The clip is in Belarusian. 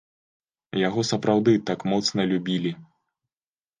Яго сапраўды так моцна любілі?